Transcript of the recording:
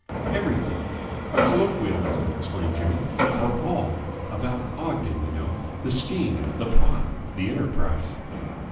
"Everything. A colloquialism," explained Jimmy, "for 'all.' About Ogden, you know. The scheme. The plot. The enterprise."